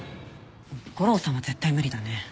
悟郎さんは絶対無理だね。